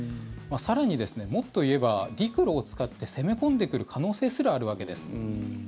更に、もっと言えば陸路を使って攻め込んでくる可能性すらあるわけです。